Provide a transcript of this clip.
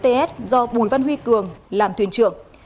tàu cá qn một mươi bảy ts do bùi văn huy cường làm thuyền trưởng